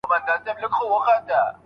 آیا خپلواکي تر تړاو ښه ده؟